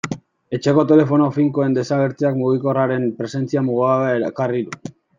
Etxeko telefono finkoen desagertzeak mugikorraren presentzia mugagabea ekarri du.